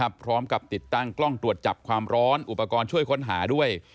พร้อมกับติดตั้งกล้องตรวจจับความร้อนอุปกรณ์ช่วยค้นหาด้วย